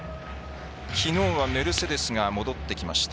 きのうはメルセデスが戻ってきました。